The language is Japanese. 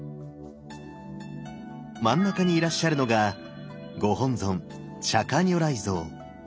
真ん中にいらっしゃるのがご本尊釈如来像。